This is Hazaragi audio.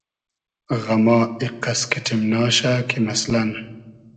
غئما ایقئس کیݖیمناشۂ کی مئسلئن